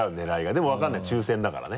でも分からない抽選だからね。